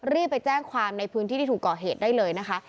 รีบไปแจ้งความในพื้นที่ที่ถูกก่อเหตุได้เลยนะคะ